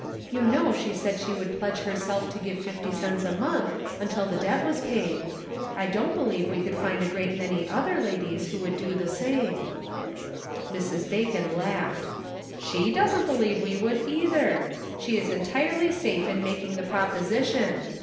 You know she said she would pledge her self to give fifty cents a month until the debt was paid. I don't believe we could find a great many other ladies who would do the same." Interrogation Points. 89 Mrs. Bacon laughed: "She doesn't believe we would either; she is entirely safe in making the proposition.